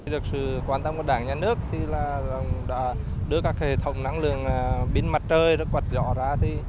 được sự quan tâm của đảng nhà nước thì là đưa các hệ thống năng lượng biến mặt trời quật gió ra